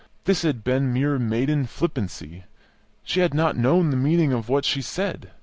This had been mere maiden flippancy; she had not known the meaning of what she said.